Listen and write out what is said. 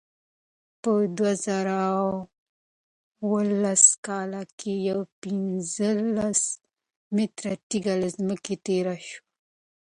په دوه زره اوولس کال کې یوه پنځلس متره تېږه له ځمکې تېره شوه.